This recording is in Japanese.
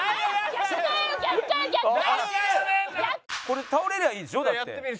これ倒れりゃいいんでしょ？だって。